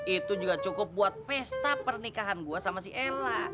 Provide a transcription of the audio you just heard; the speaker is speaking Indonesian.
itu juga cukup buat pesta pernikahan gue sama si ella